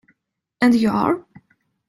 And you are?